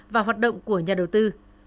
và hoạt động của nhà đầu tư